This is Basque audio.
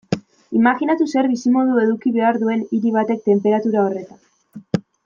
Imajinatu zer bizimodu eduki behar duen hiri batek tenperatura horretan.